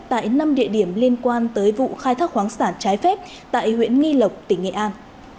tại năm địa điểm liên quan tới vụ khai thác khoáng sản trái phép tại huyện nghi lộc tỉnh nghệ an